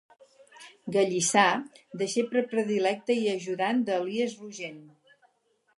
Gallissà, deixeble predilecte i ajudant d'Elies Rogent.